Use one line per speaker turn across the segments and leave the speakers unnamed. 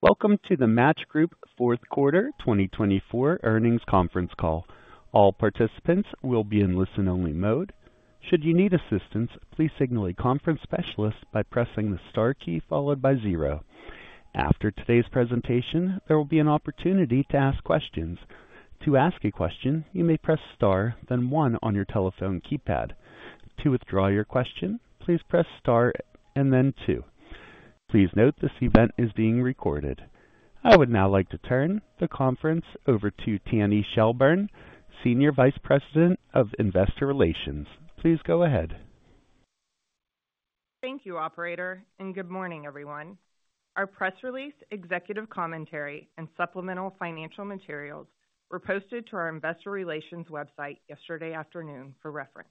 Welcome to the Match Group Fourth Quarter 2024 earnings conference call. All participants will be in listen-only mode. Should you need assistance, please signal a conference specialist by pressing the star key followed by zero. After today's presentation, there will be an opportunity to ask questions. To ask a question, you may press star, then one on your telephone keypad. To withdraw your question, please press star and then two. Please note this event is being recorded. I would now like to turn the conference over to Tanny Shelburne, Senior Vice President of Investor Relations. Please go ahead.
Thank you, Operator, and good morning, everyone. Our press release, executive commentary, and supplemental financial materials were posted to our investor relations website yesterday afternoon for reference.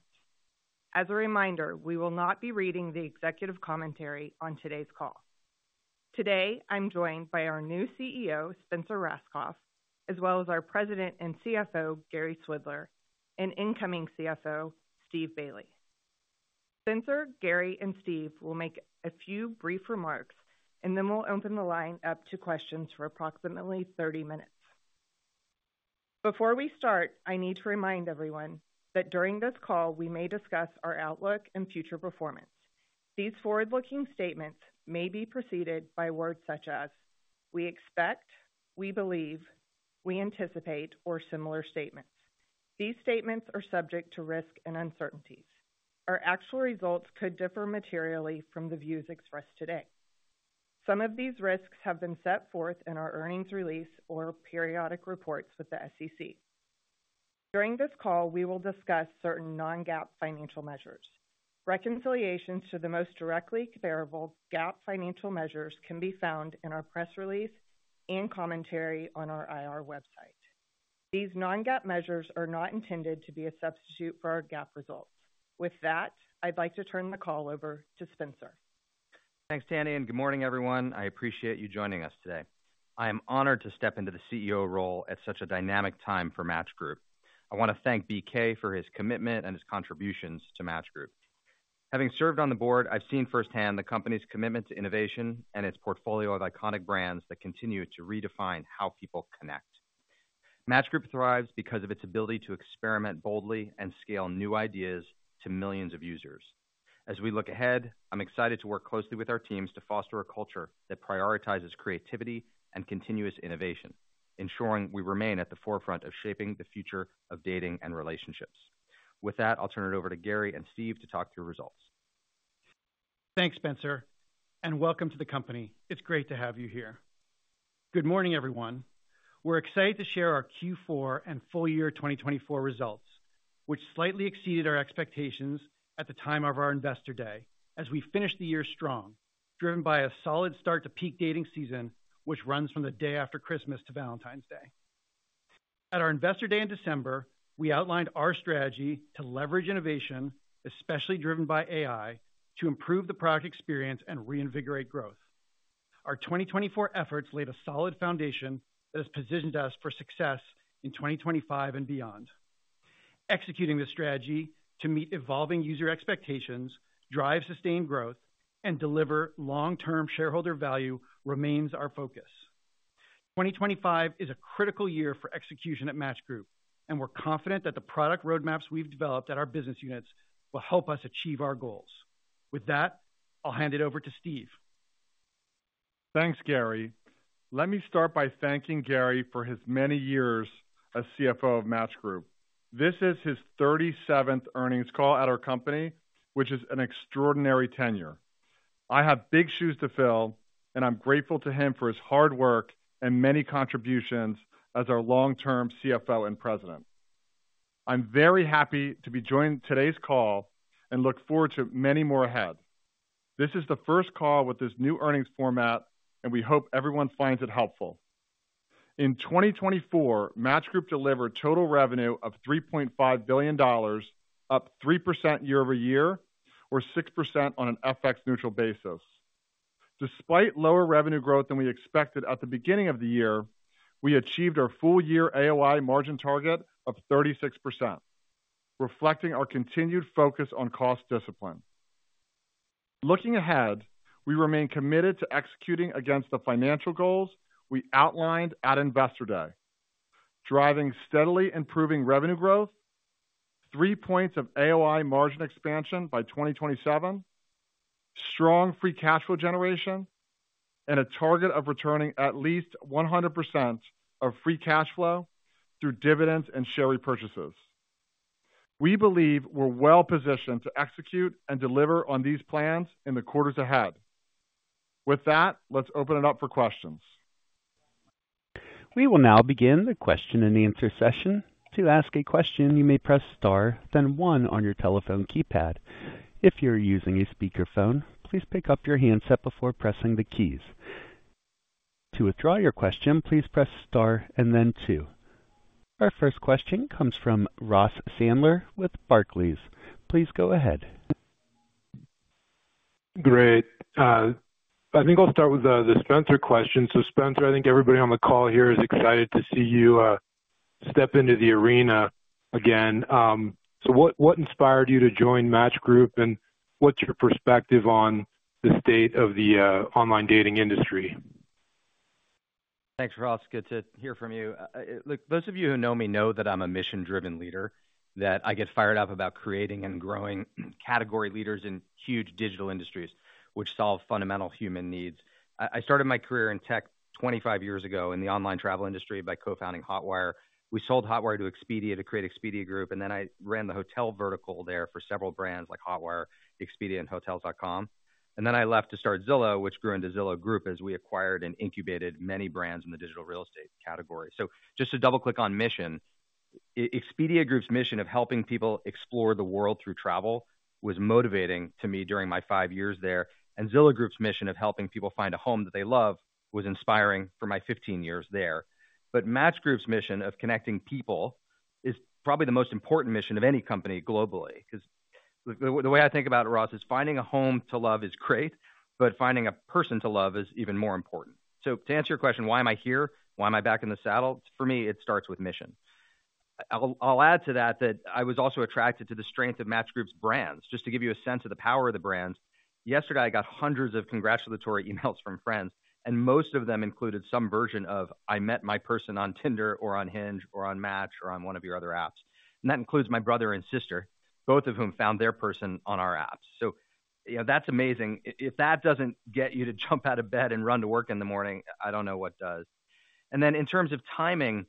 As a reminder, we will not be reading the executive commentary on today's call. Today, I'm joined by our new CEO, Spencer Rascoff, as well as our President and CFO, Gary Swidler, and incoming CFO, Steven Bailey. Spencer, Gary, and Steven will make a few brief remarks, and then we'll open the line up to questions for approximately 30 minutes. Before we start, I need to remind everyone that during this call, we may discuss our outlook and future performance. These forward-looking statements may be preceded by words such as we expect, we believe, we anticipate, or similar statements. These statements are subject to risk and uncertainties. Our actual results could differ materially from the views expressed today. Some of these risks have been set forth in our earnings release or periodic reports with the SEC. During this call, we will discuss certain non-GAAP financial measures. Reconciliations to the most directly comparable GAAP financial measures can be found in our press release and commentary on our IR website. These non-GAAP measures are not intended to be a substitute for our GAAP results. With that, I'd like to turn the call over to Spencer.
Thanks, Tanny. Good morning, everyone. I appreciate you joining us today. I am honored to step into the CEO role at such a dynamic time for Match Group. I want to thank BK for his commitment and his contributions to Match Group. Having served on the board, I've seen firsthand the company's commitment to innovation and its portfolio of iconic brands that continue to redefine how people connect. Match Group thrives because of its ability to experiment boldly and scale new ideas to millions of users. As we look ahead, I'm excited to work closely with our teams to foster a culture that prioritizes creativity and continuous innovation, ensuring we remain at the forefront of shaping the future of dating and relationships. With that, I'll turn it over to Gary and Steven to talk through results.
Thanks, Spencer, and welcome to the company. It's great to have you here. Good morning, everyone. We're excited to share our Q4 and full-year 2024 results, which slightly exceeded our expectations at the time of our Investor Day, as we finished the year strong, driven by a solid start to peak dating season, which runs from the day after Christmas to Valentine's Day. At our Investor Day in December, we outlined our strategy to leverage innovation, especially driven by AI, to improve the product experience and reinvigorate growth. Our 2024 efforts laid a solid foundation that has positioned us for success in 2025 and beyond. Executing this strategy to meet evolving user expectations, drive sustained growth, and deliver long-term shareholder value remains our focus. 2025 is a critical year for execution at Match Group, and we're confident that the product roadmaps we've developed at our business units will help us achieve our goals. With that, I'll hand it over to Steven.
Thanks, Gary. Let me start by thanking Gary for his many years as CFO of Match Group. This is his 37th earnings call at our company, which is an extraordinary tenure. I have big shoes to fill, and I'm grateful to him for his hard work and many contributions as our long-term CFO and president. I'm very happy to be joining today's call and look forward to many more ahead. This is the first call with this new earnings format, and we hope everyone finds it helpful. In 2024, Match Group delivered total revenue of $3.5 billion, up 3% year-over-year, or 6% on an FX-neutral basis. Despite lower revenue growth than we expected at the beginning of the year, we achieved our full-year AOI margin target of 36%, reflecting our continued focus on cost discipline. Looking ahead, we remain committed to executing against the financial goals we outlined at Investor Day, driving steadily improving revenue growth, three points of AOI margin expansion by 2027, strong free cash flow generation, and a target of returning at least 100% of free cash flow through dividends and share repurchases. We believe we're well positioned to execute and deliver on these plans in the quarters ahead. With that, let's open it up for questions.
We will now begin the question and answer session. To ask a question, you may press star, then one on your telephone keypad. If you're using a speakerphone, please pick up your handset before pressing the keys. To withdraw your question, please press star and then two. Our first question comes from Ross Sandler with Barclays. Please go ahead.
Great. I think I'll start with the Spencer question. So, Spencer, I think everybody on the call here is excited to see you step into the arena again. So what inspired you to join Match Group, and what's your perspective on the state of the online dating industry?
Thanks, Ross. Good to hear from you. Look, those of you who know me know that I'm a mission-driven leader, that I get fired up about creating and growing category leaders in huge digital industries, which solve fundamental human needs. I started my career in tech 25 years ago in the online travel industry by co-founding Hotwire. We sold Hotwire to Expedia to create Expedia Group, and then I ran the hotel vertical there for several brands like Hotwire, Expedia, and Hotels.com. Then I left to start Zillow, which grew into Zillow Group as we acquired and incubated many brands in the digital real estate category. So just to double-click on mission, Expedia Group's mission of helping people explore the world through travel was motivating to me during my five years there, and Zillow Group's mission of helping people find a home that they love was inspiring for my 15 years there. But Match Group's mission of connecting people is probably the most important mission of any company globally. Because the way I think about it, Ross, is finding a home to love is great, but finding a person to love is even more important. So to answer your question, why am I here? Why am I back in the saddle? For me, it starts with mission. I'll add to that that I was also attracted to the strength of Match Group's brands. Just to give you a sense of the power of the brands, yesterday I got hundreds of congratulatory emails from friends, and most of them included some version of, "I met my person on Tinder or on Hinge or on Match or on one of your other apps." And that includes my brother and sister, both of whom found their person on our apps. So that's amazing. If that doesn't get you to jump out of bed and run to work in the morning, I don't know what does. And then in terms of timing,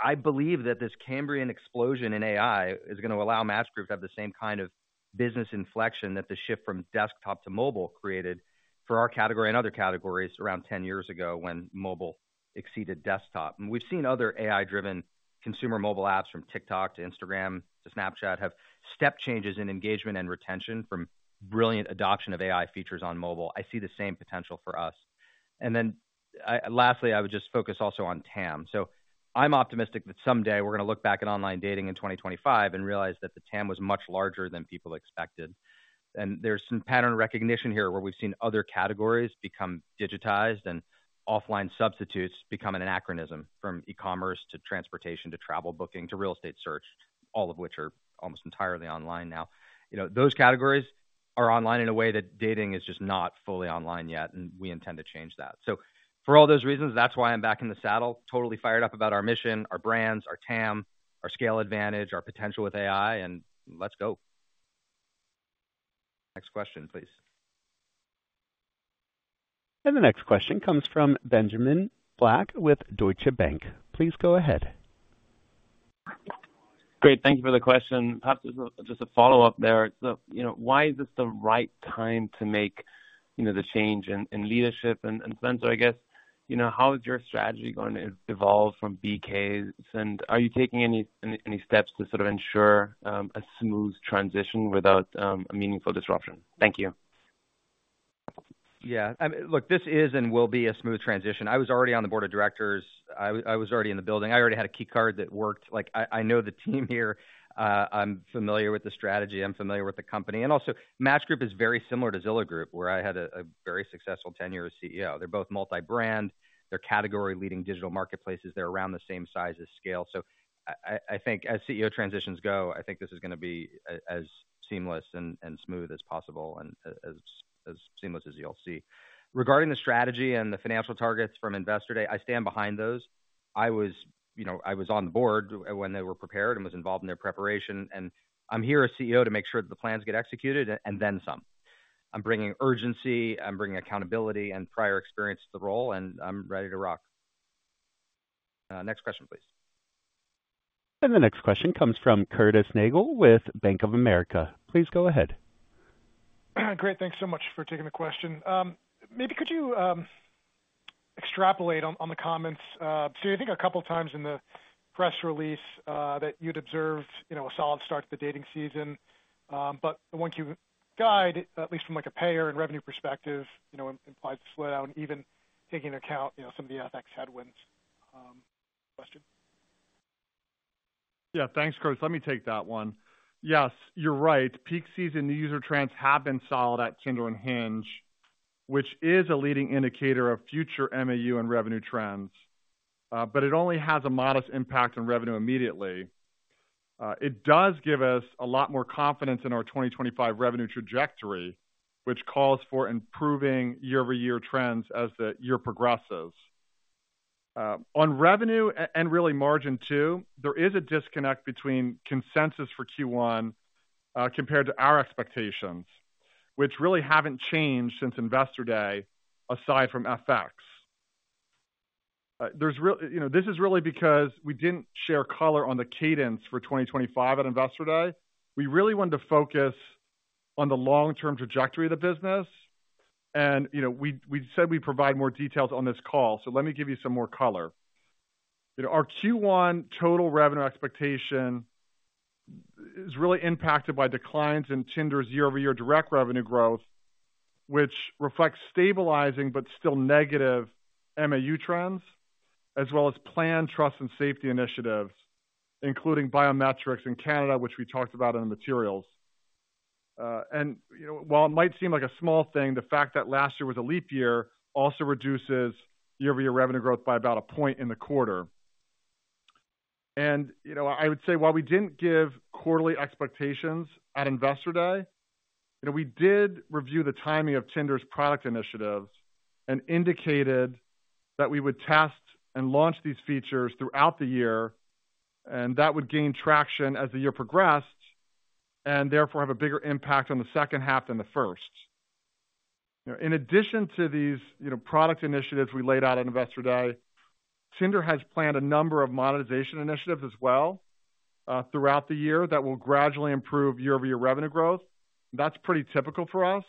I believe that this Cambrian explosion in AI is going to allow Match Group to have the same kind of business inflection that the shift from desktop to mobile created for our category and other categories around 10 years ago when mobile exceeded desktop. And we've seen other AI-driven consumer mobile apps, from TikTok to Instagram to Snapchat, have step changes in engagement and retention from brilliant adoption of AI features on mobile. I see the same potential for us. And then lastly, I would just focus also on TAM. So I'm optimistic that someday we're going to look back at online dating in 2025 and realize that the TAM was much larger than people expected. And there's some pattern recognition here where we've seen other categories become digitized and offline substitutes become an anachronism from e-commerce to transportation to travel booking to real estate search, all of which are almost entirely online now. Those categories are online in a way that dating is just not fully online yet, and we intend to change that. So for all those reasons, that's why I'm back in the saddle, totally fired up about our mission, our brands, our TAM, our scale advantage, our potential with AI, and let's go. Next question, please.
The next question comes from Benjamin Black with Deutsche Bank. Please go ahead.
Great. Thank you for the question. Just a follow-up there. So why is this the right time to make the change in leadership? And Spencer, I guess, how is your strategy going to evolve from BK's? And are you taking any steps to sort of ensure a smooth transition without a meaningful disruption? Thank you.
Yeah. Look, this is and will be a smooth transition. I was already on the board of directors. I was already in the building. I already had a key card that worked. I know the team here. I'm familiar with the strategy. I'm familiar with the company. And also, Match Group is very similar to Zillow Group, where I had a very successful tenure as CEO. They're both multi-brand. They're category-leading digital marketplaces. They're around the same size and scale. So I think as CEO transitions go, I think this is going to be as seamless and smooth as possible and as seamless as you'll see. Regarding the strategy and the financial targets from Investor Day, I stand behind those. I was on the board when they were prepared and was involved in their preparation. I'm here as CEO to make sure that the plans get executed and then some. I'm bringing urgency. I'm bringing accountability and prior experience to the role, and I'm ready to rock. Next question, please.
The next question comes from Curtis Nagle with Bank of America. Please go ahead.
Great. Thanks so much for taking the question. Maybe could you extrapolate on the comments? So I think a couple of times in the press release that you'd observed a solid start to the dating season. But the 1Q guide, at least from a payer and revenue perspective, implies a slowdown, even taking into account some of the FX headwinds. Question?
Yeah. Thanks, Curtis. Let me take that one. Yes, you're right. Peak season, the user trends have been solid at Tinder and Hinge, which is a leading indicator of future MAU and revenue trends, but it only has a modest impact on revenue immediately. It does give us a lot more confidence in our 2025 revenue trajectory, which calls for improving year-over-year trends as the year progresses. On revenue and really margin too, there is a disconnect between consensus for Q1 compared to our expectations, which really haven't changed since Investor Day, aside from FX. This is really because we didn't share color on the cadence for 2025 at Investor Day. We really wanted to focus on the long-term trajectory of the business, and we said we'd provide more details on this call, so let me give you some more color. Our Q1 total revenue expectation is really impacted by declines in Tinder's year-over-year direct revenue growth, which reflects stabilizing but still negative MAU trends, as well as planned trust and safety initiatives, including biometrics in Canada, which we talked about in the materials. And while it might seem like a small thing, the fact that last year was a leap year also reduces year-over-year revenue growth by about a point in the quarter. And I would say while we didn't give quarterly expectations at Investor Day, we did review the timing of Tinder's product initiatives and indicated that we would test and launch these features throughout the year, and that would gain traction as the year progressed and therefore have a bigger impact on the second half than the first. In addition to these product initiatives we laid out at Investor Day, Tinder has planned a number of monetization initiatives as well throughout the year that will gradually improve year-over-year revenue growth. That's pretty typical for us,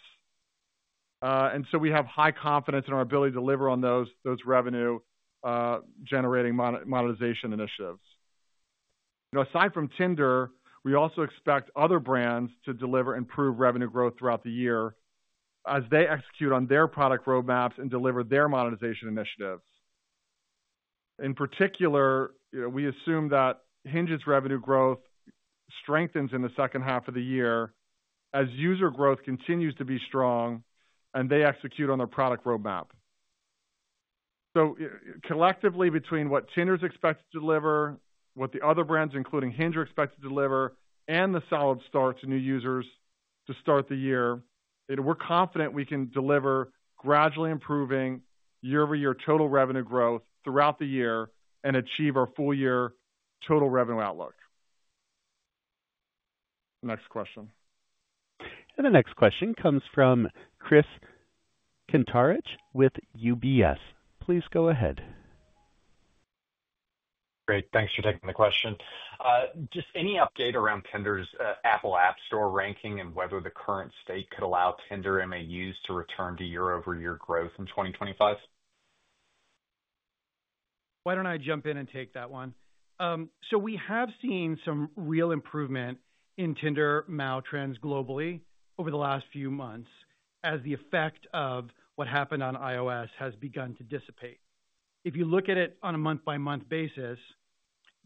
and so we have high confidence in our ability to deliver on those revenue-generating monetization initiatives. Aside from Tinder, we also expect other brands to deliver improved revenue growth throughout the year as they execute on their product roadmaps and deliver their monetization initiatives. In particular, we assume that Hinge's revenue growth strengthens in the second half of the year as user growth continues to be strong and they execute on their product roadmap. So collectively, between what Tinder's expected to deliver, what the other brands, including Hinge, are expected to deliver, and the solid start to new users to start the year, we're confident we can deliver gradually improving year-over-year total revenue growth throughout the year and achieve our full-year total revenue outlook. Next question.
The next question comes from Chris Kuntarich with UBS. Please go ahead.
Great. Thanks for taking the question. Just any update around Tinder's Apple App Store ranking and whether the current state could allow Tinder MAUs to return to year-over-year growth in 2025?
Why don't I jump in and take that one? So we have seen some real improvement in Tinder MAU trends globally over the last few months as the effect of what happened on iOS has begun to dissipate. If you look at it on a month-by-month basis,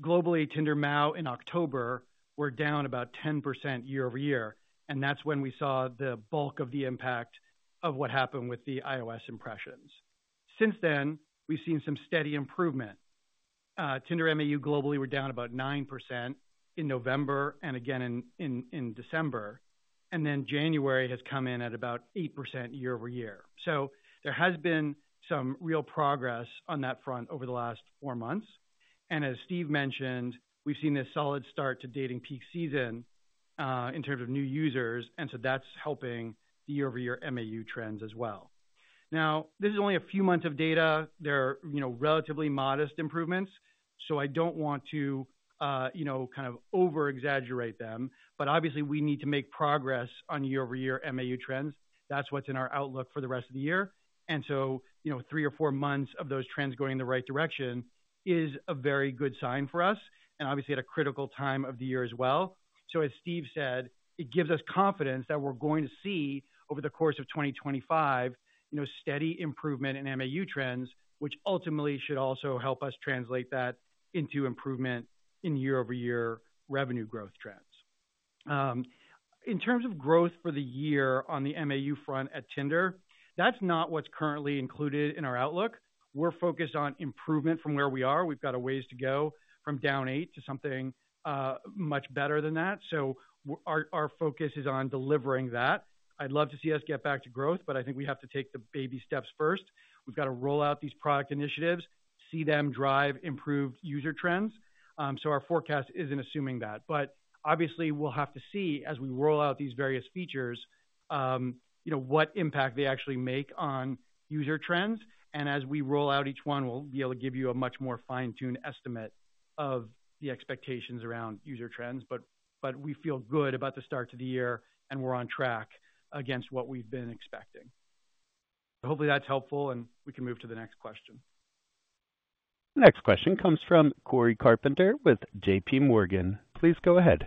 globally, Tinder MAU in October were down about 10% year-over-year, and that's when we saw the bulk of the impact of what happened with the iOS impressions. Since then, we've seen some steady improvement. Tinder MAU globally were down about 9% in November and again in December, and then January has come in at about 8% year-over-year. So there has been some real progress on that front over the last four months. And as Steven mentioned, we've seen this solid start to dating peak season in terms of new users, and so that's helping the year-over-year MAU trends as well. Now, this is only a few months of data. They're relatively modest improvements, so I don't want to kind of over-exaggerate them. But obviously, we need to make progress on year-over-year MAU trends. That's what's in our outlook for the rest of the year. And so three or four months of those trends going in the right direction is a very good sign for us and obviously at a critical time of the year as well. So as Steven said, it gives us confidence that we're going to see over the course of 2025 steady improvement in MAU trends, which ultimately should also help us translate that into improvement in year-over-year revenue growth trends. In terms of growth for the year on the MAU front at Tinder, that's not what's currently included in our outlook. We're focused on improvement from where we are. We've got a ways to go from down eight to something much better than that. So our focus is on delivering that. I'd love to see us get back to growth, but I think we have to take the baby steps first. We've got to roll out these product initiatives, see them drive improved user trends. So our forecast isn't assuming that. But obviously, we'll have to see as we roll out these various features what impact they actually make on user trends. And as we roll out each one, we'll be able to give you a much more fine-tuned estimate of the expectations around user trends. But we feel good about the start to the year, and we're on track against what we've been expecting. Hopefully, that's helpful, and we can move to the next question.
Next question comes from Cory Carpenter with J.P. Morgan. Please go ahead.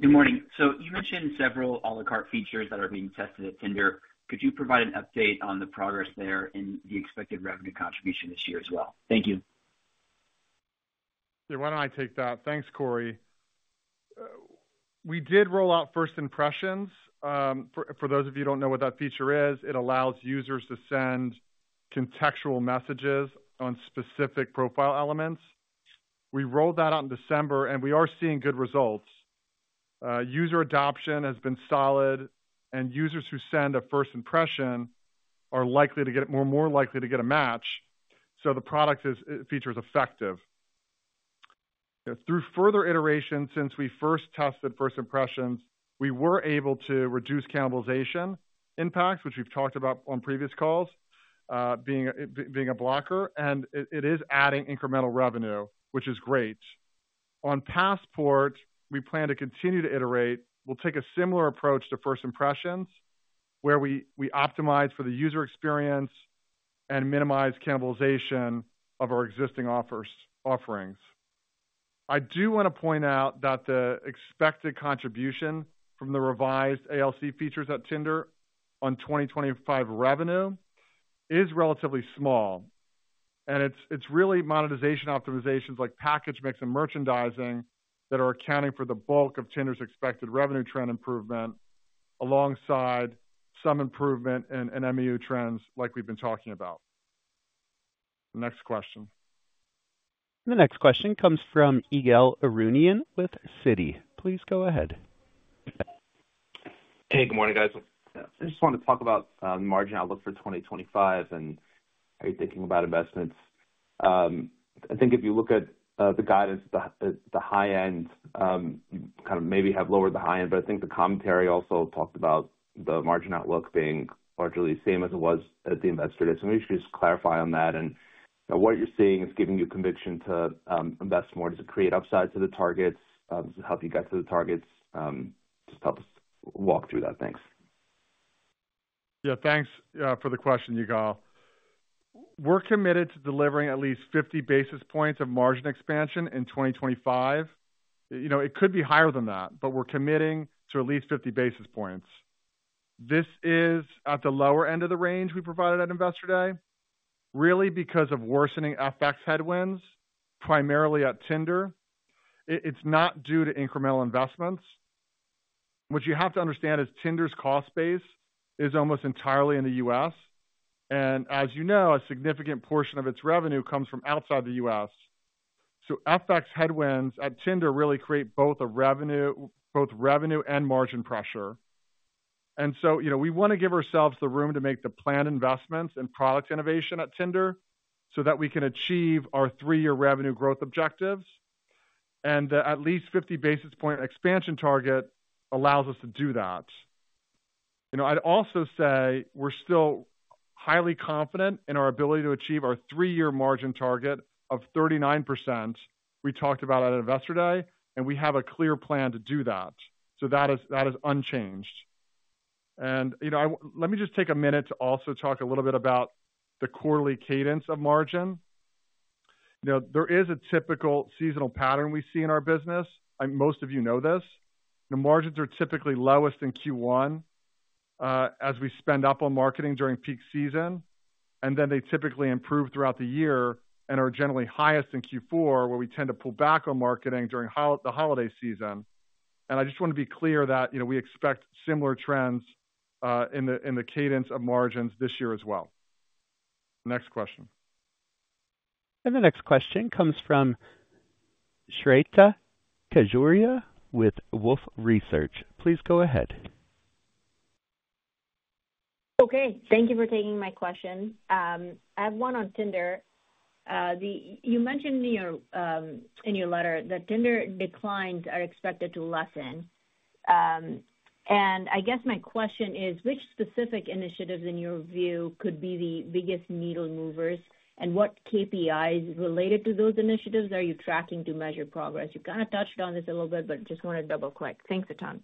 Good morning. So you mentioned several à la carte features that are being tested at Tinder. Could you provide an update on the progress there in the expected revenue contribution this year as well? Thank you.
Yeah, why don't I take that? Thanks, Cory. We did roll out First Impressions. For those of you who don't know what that feature is, it allows users to send contextual messages on specific profile elements. We rolled that out in December, and we are seeing good results. User adoption has been solid, and users who send a First Impression are more likely to get a match. So the product feature is effective. Through further iteration, since we first tested First Impressions, we were able to reduce cannibalization impacts, which we've talked about on previous calls, being a blocker. And it is adding incremental revenue, which is great. On Passport, we plan to continue to iterate. We'll take a similar approach to First Impressions, where we optimize for the user experience and minimize cannibalization of our existing offerings. I do want to point out that the expected contribution from the revised ALC features at Tinder on 2025 revenue is relatively small, and it's really monetization optimizations like package mix and merchandising that are accounting for the bulk of Tinder's expected revenue trend improvement alongside some improvement in MAU trends like we've been talking about. Next question.
The next question comes from Ygal Arounian with Citi. Please go ahead.
Hey, good morning, guys. I just want to talk about the margin outlook for 2025 and how you're thinking about investments. I think if you look at the guidance, the high end kind of maybe have lowered the high end, but I think the commentary also talked about the margin outlook being largely the same as it was at the Investor Day. So maybe you should just clarify on that, and what you're seeing is giving you conviction to invest more. Does it create upside to the targets? Does it help you get to the targets? Just help us walk through that. Thanks.
Yeah, thanks for the question, Ygal. We're committed to delivering at least 50 basis points of margin expansion in 2025. It could be higher than that, but we're committing to at least 50 basis points. This is at the lower end of the range we provided at Investor Day, really because of worsening FX headwinds, primarily at Tinder. It's not due to incremental investments. What you have to understand is Tinder's cost base is almost entirely in the U.S. And as you know, a significant portion of its revenue comes from outside the U.S. So FX headwinds at Tinder really create both revenue and margin pressure. And so we want to give ourselves the room to make the planned investments and product innovation at Tinder so that we can achieve our three-year revenue growth objectives. And at least 50 basis point expansion target allows us to do that. I'd also say we're still highly confident in our ability to achieve our three-year margin target of 39% we talked about at Investor Day, and we have a clear plan to do that. So that is unchanged. And let me just take a minute to also talk a little bit about the quarterly cadence of margin. There is a typical seasonal pattern we see in our business. Most of you know this. The margins are typically lowest in Q1 as we spend up on marketing during peak season, and then they typically improve throughout the year and are generally highest in Q4, where we tend to pull back on marketing during the holiday season. And I just want to be clear that we expect similar trends in the cadence of margins this year as well. Next question.
The next question comes from Shweta Khajuria with Wolfe Research. Please go ahead.
Okay. Thank you for taking my question. I have one on Tinder. You mentioned in your letter that Tinder declines are expected to lessen. And I guess my question is, which specific initiatives, in your view, could be the biggest needle movers? And what KPIs related to those initiatives are you tracking to measure progress? You kind of touched on this a little bit, but just want to double-click. Thanks a ton.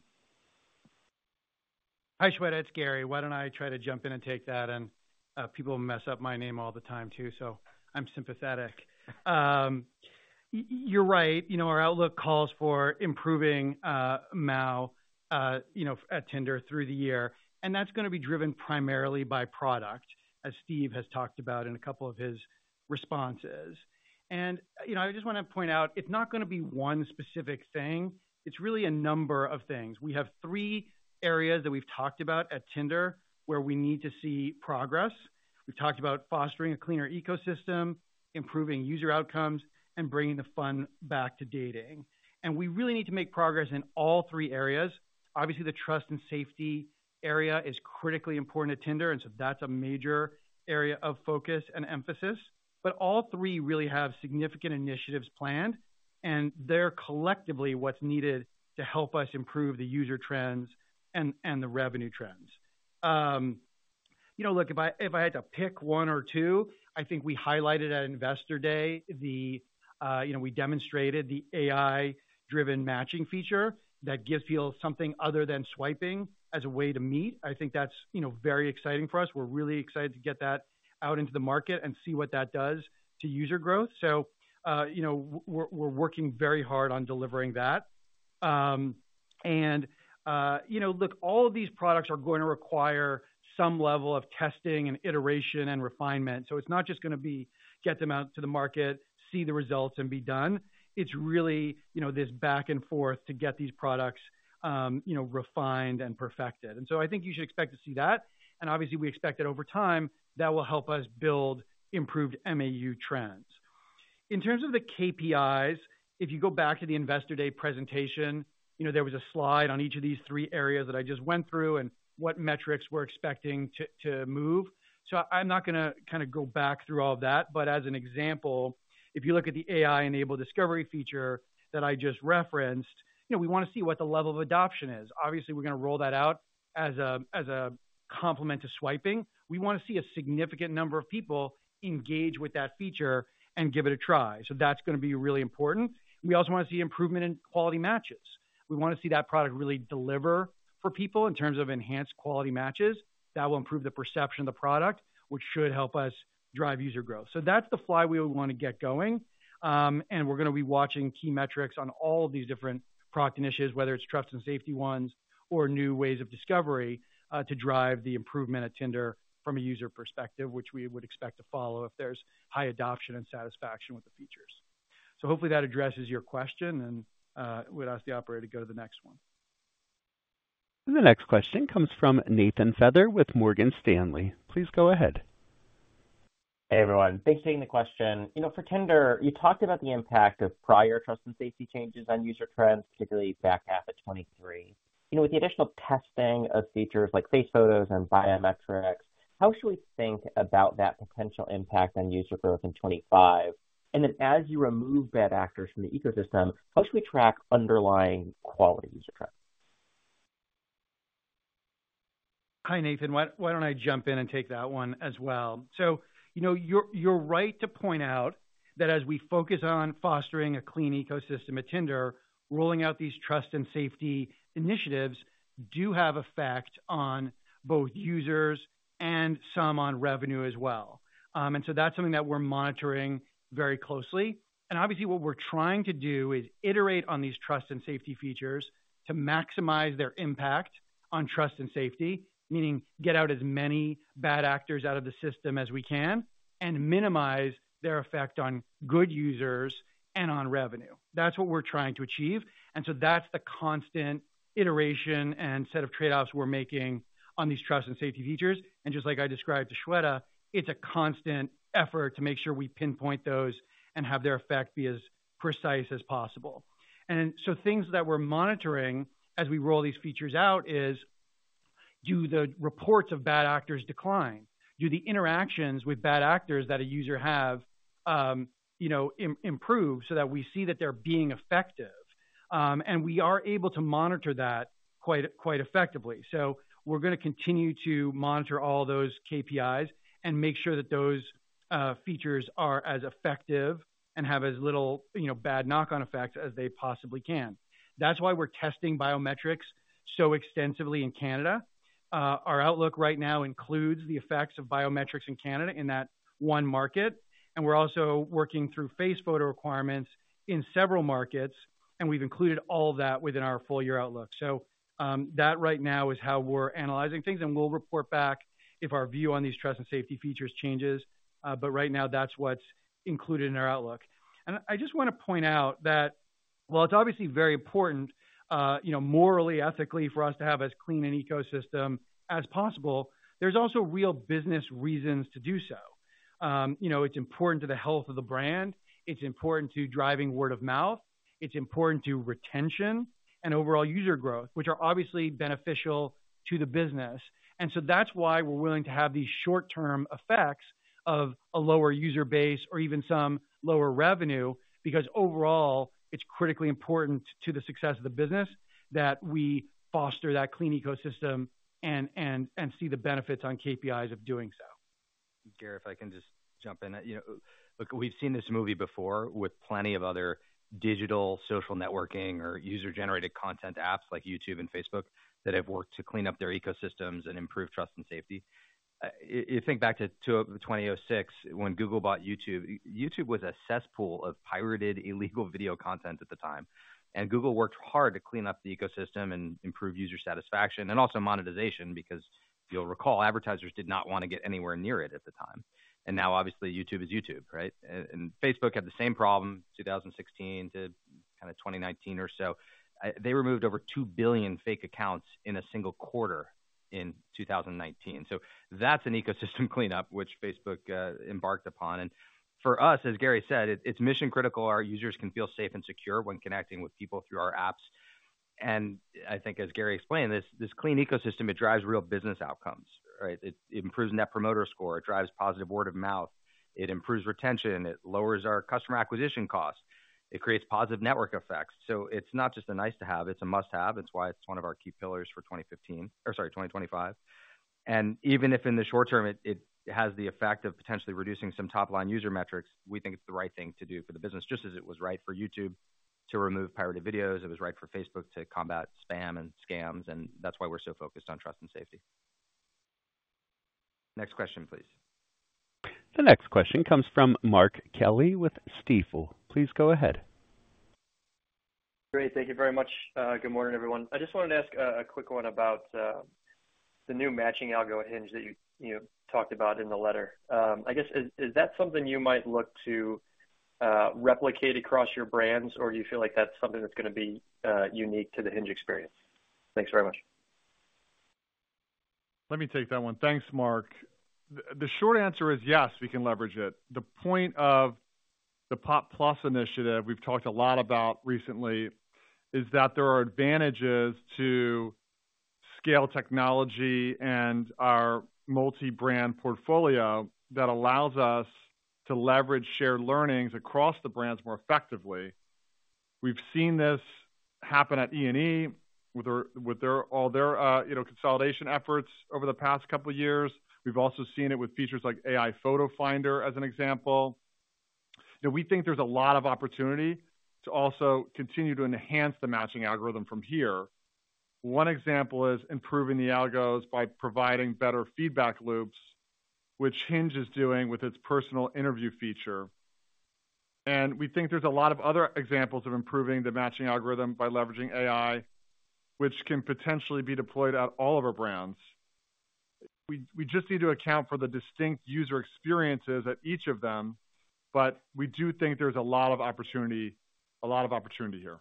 Hi, Shweta. It's Gary. Why don't I try to jump in and take that? And people mess up my name all the time too, so I'm sympathetic. You're right. Our outlook calls for improving AOI at Tinder through the year. And that's going to be driven primarily by product, as Steven has talked about in a couple of his responses. And I just want to point out, it's not going to be one specific thing. It's really a number of things. We have three areas that we've talked about at Tinder where we need to see progress. We've talked about fostering a cleaner ecosystem, improving user outcomes, and bringing the fun back to dating. And we really need to make progress in all three areas. Obviously, the trust and safety area is critically important at Tinder, and so that's a major area of focus and emphasis. But all three really have significant initiatives planned, and they're collectively what's needed to help us improve the user trends and the revenue trends. Look, if I had to pick one or two, I think we highlighted at Investor Day. We demonstrated the AI-driven matching feature that gives people something other than swiping as a way to meet. I think that's very exciting for us. We're really excited to get that out into the market and see what that does to user growth. So we're working very hard on delivering that. And look, all of these products are going to require some level of testing and iteration and refinement. So it's not just going to be get them out to the market, see the results, and be done. It's really this back and forth to get these products refined and perfected. And so I think you should expect to see that. And obviously, we expect that over time, that will help us build improved MAU trends. In terms of the KPIs, if you go back to the Investor Day presentation, there was a slide on each of these three areas that I just went through and what metrics we're expecting to move. So I'm not going to kind of go back through all of that. But as an example, if you look at the AI-enabled discovery feature that I just referenced, we want to see what the level of adoption is. Obviously, we're going to roll that out as a complement to swiping. We want to see a significant number of people engage with that feature and give it a try. So that's going to be really important. We also want to see improvement in quality matches. We want to see that product really deliver for people in terms of enhanced quality matches. That will improve the perception of the product, which should help us drive user growth, so that's the flywheel we want to get going, and we're going to be watching key metrics on all of these different product initiatives, whether it's trust and safety ones or new ways of discovery to drive the improvement at Tinder from a user perspective, which we would expect to follow if there's high adoption and satisfaction with the features, so hopefully, that addresses your question, and we'd ask the operator to go to the next one.
The next question comes from Nathan Feather with Morgan Stanley. Please go ahead.
Hey, everyone. Thanks for taking the question. For Tinder, you talked about the impact of prior trust and safety changes on user trends, particularly back half of 2023. With the additional testing of features like face photos and biometrics, how should we think about that potential impact on user growth in 2025? And then as you remove bad actors from the ecosystem, how should we track underlying quality user trends?
Hi, Nathan. Why don't I jump in and take that one as well? So you're right to point out that as we focus on fostering a clean ecosystem at Tinder, rolling out these trust and safety initiatives do have effect on both users and some on revenue as well. And so that's something that we're monitoring very closely. And obviously, what we're trying to do is iterate on these trust and safety features to maximize their impact on trust and safety, meaning get out as many bad actors out of the system as we can and minimize their effect on good users and on revenue. That's what we're trying to achieve. And so that's the constant iteration and set of trade-offs we're making on these trust and safety features. Just like I described to Shweta, it's a constant effort to make sure we pinpoint those and have their effect be as precise as possible. Things that we're monitoring as we roll these features out is, do the reports of bad actors decline? Do the interactions with bad actors that a user have improve so that we see that they're being effective? We are able to monitor that quite effectively. We're going to continue to monitor all those KPIs and make sure that those features are as effective and have as little bad knock-on effects as they possibly can. That's why we're testing biometrics so extensively in Canada. Our outlook right now includes the effects of biometrics in Canada in that one market. We're also working through face photo requirements in several markets. We've included all of that within our full-year outlook. That right now is how we're analyzing things. We'll report back if our view on these trust and safety features changes. Right now, that's what's included in our outlook. I just want to point out that, while it's obviously very important morally, ethically for us to have as clean an ecosystem as possible, there's also real business reasons to do so. It's important to the health of the brand. It's important to driving word of mouth. It's important to retention and overall user growth, which are obviously beneficial to the business. That's why we're willing to have these short-term effects of a lower user base or even some lower revenue, because overall, it's critically important to the success of the business that we foster that clean ecosystem and see the benefits on KPIs of doing so.
Gary, if I can just jump in. Look, we've seen this movie before with plenty of other digital social networking or user-generated content apps like YouTube and Facebook that have worked to clean up their ecosystems and improve trust and safety. You think back to 2006 when Google bought YouTube. YouTube was a cesspool of pirated illegal video content at the time. And Google worked hard to clean up the ecosystem and improve user satisfaction and also monetization, because you'll recall advertisers did not want to get anywhere near it at the time. And now, obviously, YouTube is YouTube, right? And Facebook had the same problem 2016 to kind of 2019 or so. They removed over 2 billion fake accounts in a single quarter in 2019. So that's an ecosystem cleanup, which Facebook embarked upon. And for us, as Gary said, it's mission-critical our users can feel safe and secure when connecting with people through our apps. And I think, as Gary explained, this clean ecosystem, it drives real business outcomes, right? It improves Net Promoter Score. It drives positive word of mouth. It improves retention. It lowers our customer acquisition costs. It creates positive network effects. So it's not just a nice-to-have. It's a must-have. It's why it's one of our key pillars for 2015 or sorry, 2025. And even if in the short term, it has the effect of potentially reducing some top-line user metrics, we think it's the right thing to do for the business, just as it was right for YouTube to remove pirated videos. It was right for Facebook to combat spam and scams. And that's why we're so focused on trust and safety. Next question, please.
The next question comes from Mark Kelley with Stifel. Please go ahead.
Great. Thank you very much. Good morning, everyone. I just wanted to ask a quick one about the new matching algorithm Hinge that you talked about in the letter. I guess, is that something you might look to replicate across your brands, or do you feel like that's something that's going to be unique to the Hinge experience? Thanks very much.
Let me take that one. Thanks, Mark. The short answer is yes, we can leverage it. The point of the PoP Plus initiative we've talked a lot about recently is that there are advantages to scale technology and our multi-brand portfolio that allows us to leverage shared learnings across the brands more effectively. We've seen this happen at E&E with all their consolidation efforts over the past couple of years. We've also seen it with features like AI Photo Finder as an example. We think there's a lot of opportunity to also continue to enhance the matching algorithm from here. One example is improving the algos by providing better feedback loops, which Hinge is doing with its Personal Interview feature, and we think there's a lot of other examples of improving the matching algorithm by leveraging AI, which can potentially be deployed at all of our brands. We just need to account for the distinct user experiences at each of them, but we do think there's a lot of opportunity, a lot of opportunity here.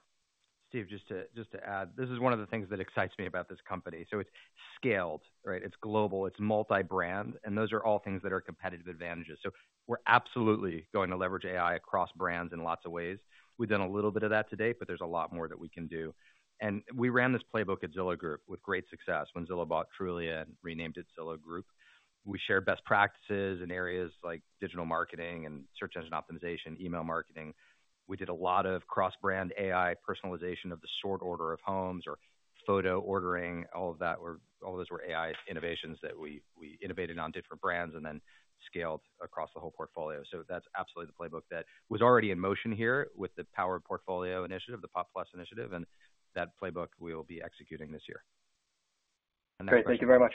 Steven, just to add, this is one of the things that excites me about this company. So it's scaled, right? It's global. It's multi-brand. And those are all things that are competitive advantages. So we're absolutely going to leverage AI across brands in lots of ways. We've done a little bit of that today, but there's a lot more that we can do. And we ran this playbook at Zillow Group with great success when Zillow bought Trulia and renamed it Zillow Group. We shared best practices in areas like digital marketing and search engine optimization, email marketing. We did a lot of cross-brand AI personalization of the sort order of homes or photo ordering, all of that. All of those were AI innovations that we innovated on different brands and then scaled across the whole portfolio. So that's absolutely the playbook that was already in motion here with the power portfolio initiative, the Pop Plus initiative. And that playbook we will be executing this year.
Great. Thank you very much.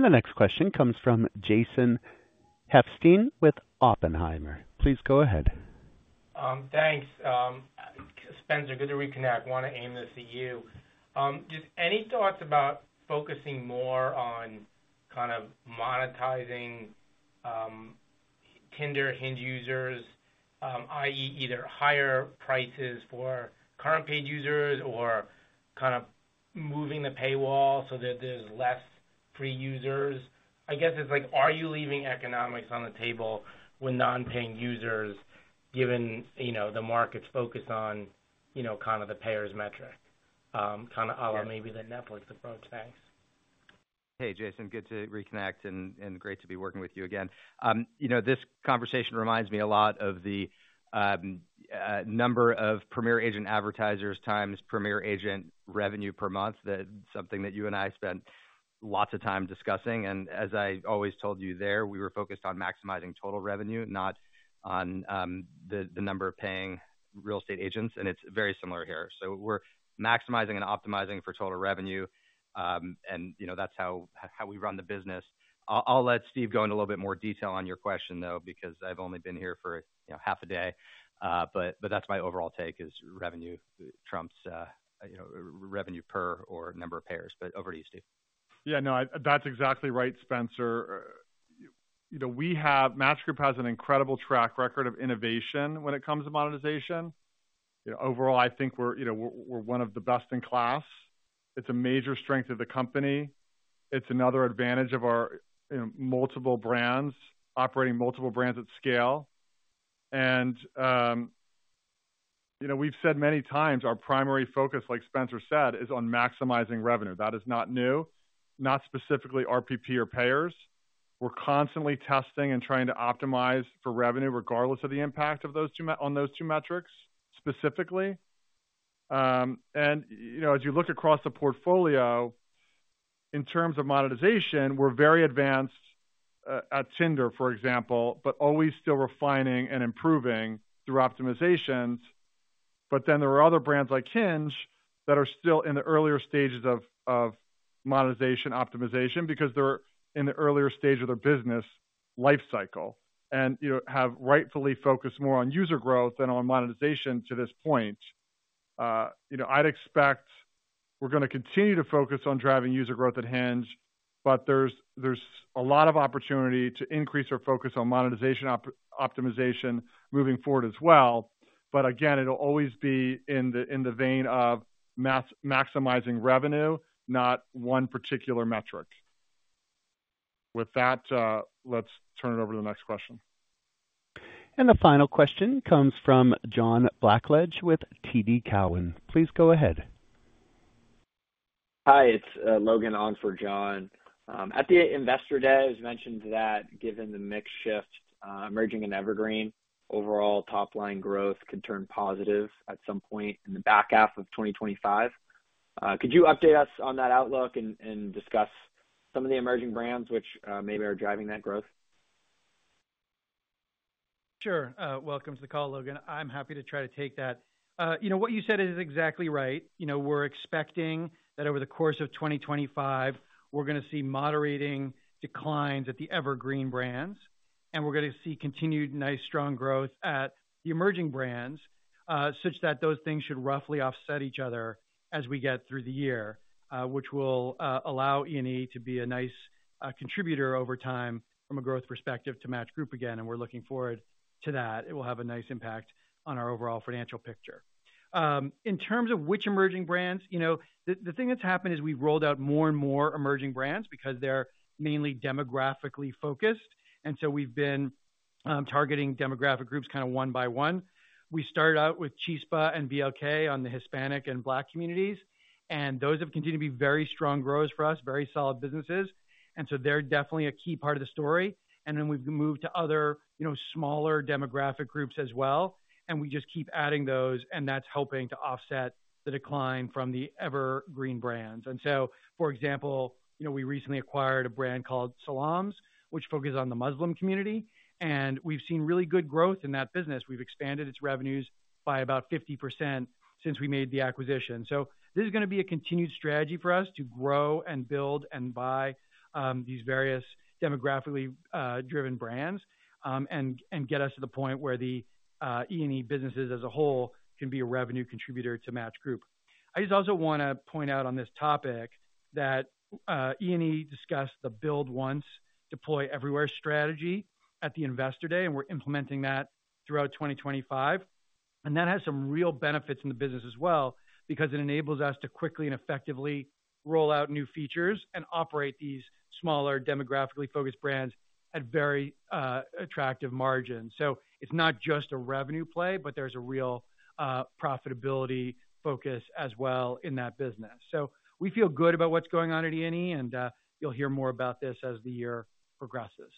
The next question comes from Jason Helfstein with Oppenheimer. Please go ahead.
Thanks, Spencer. Good to reconnect. I want to aim this at you. Just any thoughts about focusing more on kind of monetizing Tinder, Hinge users, i.e., either higher prices for current paid users or kind of moving the paywall so that there's less free users? I guess it's like, are you leaving economics on the table when non-paying users, given the market's focus on kind of the payer's metric, kind of a la maybe the Netflix approach? Thanks.
Hey, Jason. Good to reconnect and great to be working with you again. This conversation reminds me a lot of the number of Premier Agent advertisers times Premier Agent revenue per month, something that you and I spent lots of time discussing. And as I always told you there, we were focused on maximizing total revenue, not on the number of paying real estate agents. And it's very similar here. So we're maximizing and optimizing for total revenue. And that's how we run the business. I'll let Steven go into a little bit more detail on your question, though, because I've only been here for half a day. But that's my overall take is revenue trumps revenue per or number of payers. But over to you, Steven.
Yeah, no, that's exactly right, Spencer. Match Group has an incredible track record of innovation when it comes to monetization. Overall, I think we're one of the best in class. It's a major strength of the company. It's another advantage of our multiple brands, operating multiple brands at scale. And we've said many times our primary focus, like Spencer said, is on maximizing revenue. That is not new, not specifically RPP or payers. We're constantly testing and trying to optimize for revenue regardless of the impact on those two metrics specifically. And as you look across the portfolio, in terms of monetization, we're very advanced at Tinder, for example, but always still refining and improving through optimizations. But then there are other brands like Hinge that are still in the earlier stages of monetization optimization because they're in the earlier stage of their business life cycle and have rightfully focused more on user growth than on monetization to this point. I'd expect we're going to continue to focus on driving user growth at Hinge, but there's a lot of opportunity to increase our focus on monetization optimization moving forward as well. But again, it'll always be in the vein of maximizing revenue, not one particular metric. With that, let's turn it over to the next question.
The final question comes from John Blackledge with TD Cowen. Please go ahead.
Hi, it's Logan on for John. At the Investor Day, it was mentioned that given the mixed shift emerging in Evergreen, overall top-line growth could turn positive at some point in the back half of 2025. Could you update us on that outlook and discuss some of the emerging brands which maybe are driving that growth?
Sure. Welcome to the call, Logan. I'm happy to try to take that. What you said is exactly right. We're expecting that over the course of 2025, we're going to see moderating declines at the Evergreen brands, and we're going to see continued nice strong growth at the emerging brands such that those things should roughly offset each other as we get through the year, which will allow E&E to be a nice contributor over time from a growth perspective to Match Group again, and we're looking forward to that. It will have a nice impact on our overall financial picture. In terms of which emerging brands, the thing that's happened is we've rolled out more and more emerging brands because they're mainly demographically focused, and so we've been targeting demographic groups kind of one by one. We started out with Chispa and BLK on the Hispanic and Black communities. And those have continued to be very strong growers for us, very solid businesses. And so they're definitely a key part of the story. And then we've moved to other smaller demographic groups as well. And we just keep adding those. And that's helping to offset the decline from the Evergreen brands. And so, for example, we recently acquired a brand called Salams, which focuses on the Muslim community. And we've seen really good growth in that business. We've expanded its revenues by about 50% since we made the acquisition. So this is going to be a continued strategy for us to grow and build and buy these various demographically driven brands and get us to the point where the E&E businesses as a whole can be a revenue contributor to Match Group. I just also want to point out on this topic that E&E discussed the Build Once, Deploy Everywhere strategy at the Investor Day, and we're implementing that throughout 2025, and that has some real benefits in the business as well because it enables us to quickly and effectively roll out new features and operate these smaller demographically focused brands at very attractive margins, so it's not just a revenue play, but there's a real profitability focus as well in that business, so we feel good about what's going on at E&E, and you'll hear more about this as the year progresses.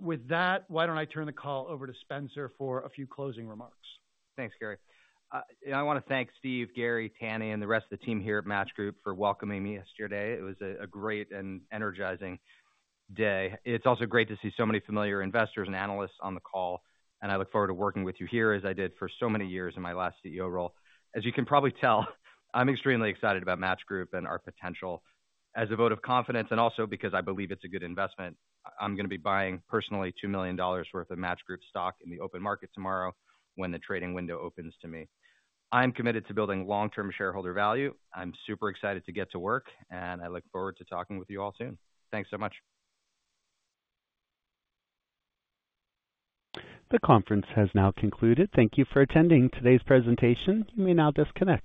With that, why don't I turn the call over to Spencer for a few closing remarks?
Thanks, Gary. I want to thank Steven, Gary, Tanny, and the rest of the team here at Match Group for welcoming me yesterday. It was a great and energizing day. It's also great to see so many familiar investors and analysts on the call, and I look forward to working with you here as I did for so many years in my last CEO role. As you can probably tell, I'm extremely excited about Match Group and our potential as a vote of confidence, and also because I believe it's a good investment, I'm going to be buying personally $2 million worth of Match Group stock in the open market tomorrow when the trading window opens to me. I'm committed to building long-term shareholder value. I'm super excited to get to work, and I look forward to talking with you all soon. Thanks so much.
The conference has now concluded. Thank you for attending today's presentation. You may now disconnect.